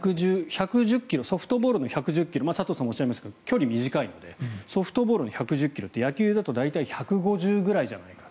ソフトボールの１１０ｋｍ佐藤さんも言いましたがソフトボールって短いのでソフトボールの１１０ｋｍって野球だと大体１５０ｋｍぐらいじゃないか。